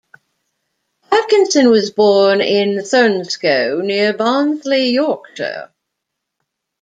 Atkinson was born in Thurnscoe, near Barnsley, Yorkshire.